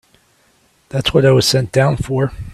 That's what I was sent down for.